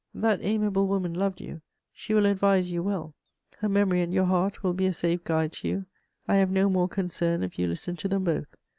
That amiable woman loved you: she will advise you well. Her memory and your heart will be a safe guide to you: I have no more concern if you listen to them both.